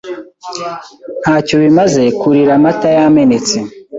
Ntacyo bimaze kurira amata yamenetse.